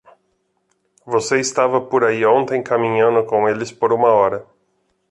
Você estava por aí ontem caminhando com eles por uma hora.